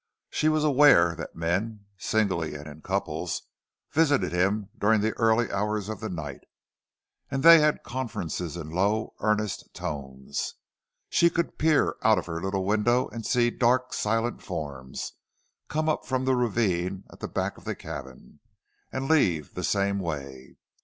She was aware that men, singly and in couples, visited him during the early hours of the night, and they had conferences in low, earnest tones. She could peer out of her little window and see dark, silent forms come up from the ravine at the back of the cabin, and leave the same way.